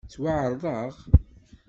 Ttwaεerḍeɣ?